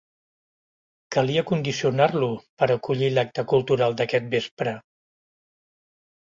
Calia condicionar-lo per acollir l'acte cultural d'aquest vespre.